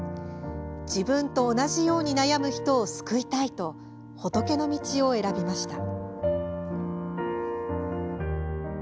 自分と同じように悩む人を救いたいと、仏の道を選びました。